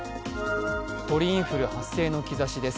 鳥インフル発生の兆しです。